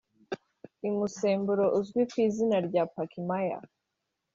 imusemburo uzwi ku izina rya Pakmaya